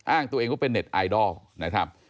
อ้างตัวเองก็เป็นเน็ตไอดอล